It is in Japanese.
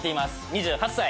２８歳。